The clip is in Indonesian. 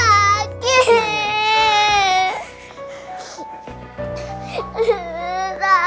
om upi cek dulu ya